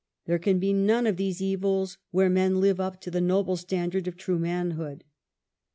There can he none of these evils where men live up to the nohle standard of true manhood.